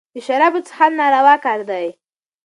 د شرابو څېښل ناروا کار دئ.